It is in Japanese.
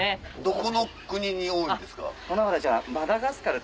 どこの国に多いんですか？